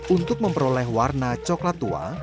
untuk memperoleh warna coklat tua